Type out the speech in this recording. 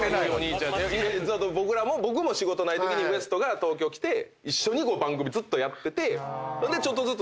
僕も仕事ないときにＷＥＳＴが東京来て一緒に番組ずっとやっててちょっとずつ。